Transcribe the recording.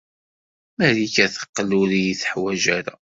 Marika teqqel ur iyi-teḥwaj ara.